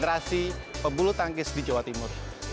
sebagai terima kasih pembulu tangkis di jawa timur